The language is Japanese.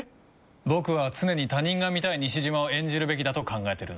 僕は常に他人が見たい西島を演じるべきだと考えてるんだ。